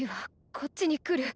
こっちに来る！